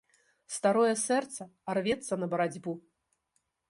Старое сэрца, а рвецца на барацьбу!